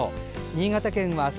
新潟県は明日